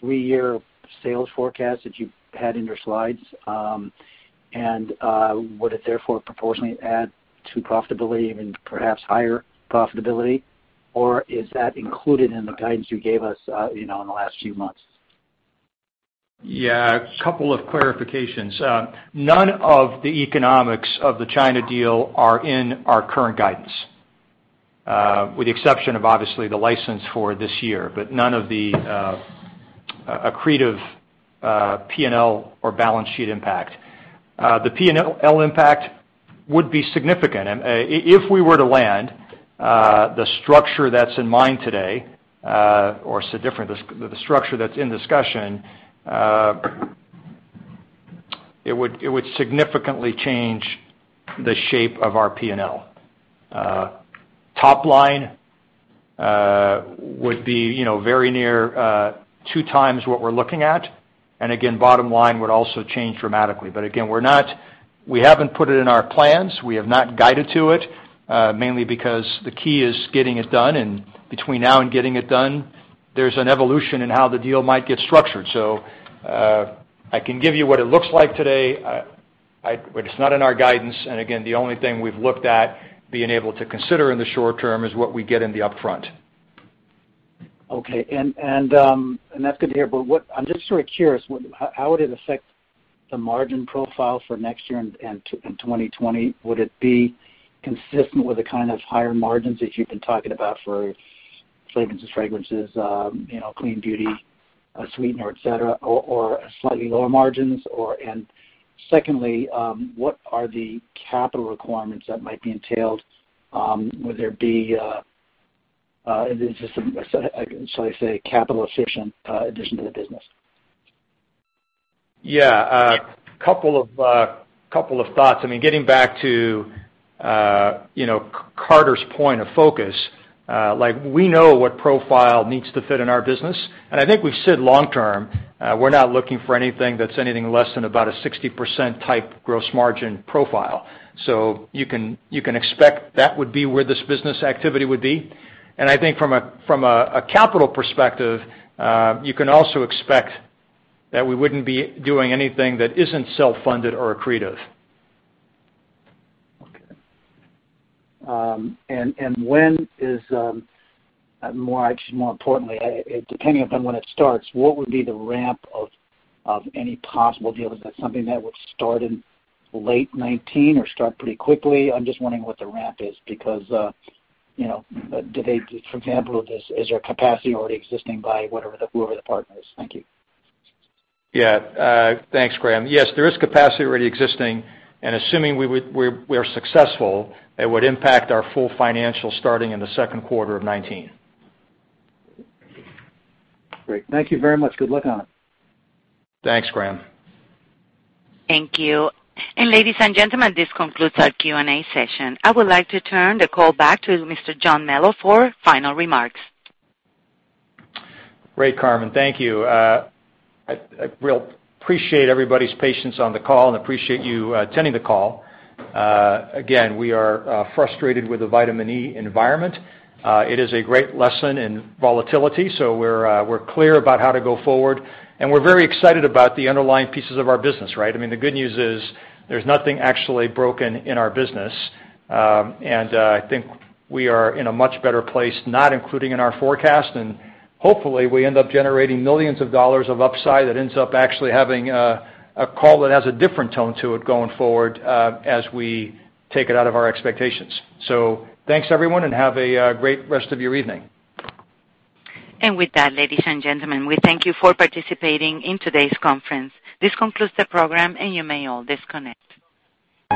three-year sales forecast that you had in your slides? And would it therefore proportionally add to profitability, even perhaps higher profitability? Or is that included in the guidance you gave us in the last few months? Yeah. A couple of clarifications. None of the economics of the China deal are in our current guidance, with the exception of obviously the license for this year, but none of the accretive P&L or balance sheet impact. The P&L impact would be significant. If we were to land the structure that's in mind today, or it's a different structure that's in discussion, it would significantly change the shape of our P&L. Top line would be very near two times what we're looking at. And again, bottom line would also change dramatically. But again, we haven't put it in our plans. We have not guided to it, mainly because the key is getting it done. And between now and getting it done, there's an evolution in how the deal might get structured. So I can give you what it looks like today, but it's not in our guidance. And again, the only thing we've looked at being able to consider in the short term is what we get in the upfront. Okay. And that's good to hear. But I'm just sort of curious, how would it affect the margin profile for next year and 2020? Would it be consistent with the kind of higher margins that you've been talking about for flavors and fragrances, clean beauty, sweetener, etc., or slightly lower margins? And secondly, what are the capital requirements that might be entailed? Would there be, shall I say, capital-efficient addition to the business? Yeah. A couple of thoughts. I mean, getting back to Carter's point of focus, we know what profile needs to fit in our business. And I think we've said long-term, we're not looking for anything that's anything less than about a 60% type gross margin profile. So you can expect that would be where this business activity would be. And I think from a capital perspective, you can also expect that we wouldn't be doing anything that isn't self-funded or accretive. Okay. And when is, more importantly, depending upon when it starts, what would be the ramp of any possible deal? Is that something that would start in late 2019 or start pretty quickly? I'm just wondering what the ramp is because do they, for example, is there capacity already existing by whoever the partner is? Thank you. Yeah. Thanks, Graham. Yes. There is capacity already existing. And assuming we are successful, it would impact our full financial starting in the Q2 of 2019. Great. Thank you very much. Good luck on it. Thanks, Graham. Thank you. And ladies and gentlemen, this concludes our Q&A session. I would like to turn the call back to Mr. John Melo for final remarks. Great, Carmen. Thank you. I really appreciate everybody's patience on the call and appreciate you attending the call. Again, we are frustrated with the Vitamin E environment. It is a great lesson in volatility. So we're clear about how to go forward. And we're very excited about the underlying pieces of our business, right? I mean, the good news is there's nothing actually broken in our business. And I think we are in a much better place, not including in our forecast. And hopefully, we end up generating millions of dollars of upside that ends up actually having a call that has a different tone to it going forward as we take it out of our expectations. So thanks, everyone, and have a great rest of your evening. And with that, ladies and gentlemen, we thank you for participating in today's conference. This concludes the program, and you may all disconnect.